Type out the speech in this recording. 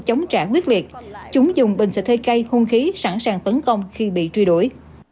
chống trả quyết liệt chúng dùng bình xịt hơi cay hung khí sẵn sàng tấn công khi bị truy đuổi